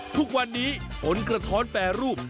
ทุกวันนี้ผลกระท้อนแปรรูป